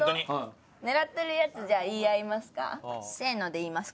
狙ってるやつ言い合いますか？